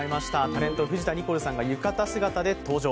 タレント・藤田ニコルさんが浴衣姿で登場。